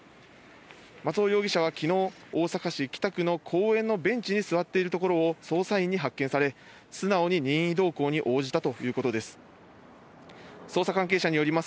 松尾容疑者は昨日、大阪市北区の公園のベンチに座っているところを捜査員に発見され、素直に任意同行に応じたということです。